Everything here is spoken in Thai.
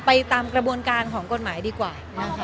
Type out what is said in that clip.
ไปตามกระบวนการของกฎหมายดีกว่า